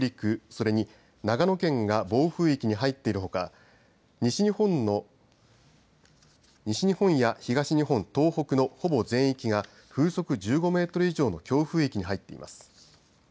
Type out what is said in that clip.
それに長野県が暴風域に入っているほか西日本や東日本東北の、ほぼ全域が風速１５メートル以上の強風域に入っています。